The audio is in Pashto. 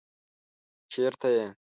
چېرته يې؟